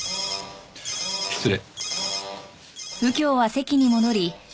失礼。